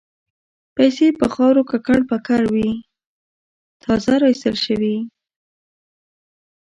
پیسې په خاورو ککړ پکر وې تازه را ایستل شوې.